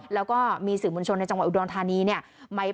แล้วก็มีสื่อมวลชนในจังหวัดอุดรธานีเนี่ย